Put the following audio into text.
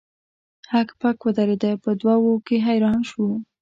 هک پک ودریده په دوه وو کې حیران شو.